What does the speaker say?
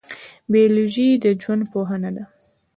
بیولوژي د ژوند پوهنه ده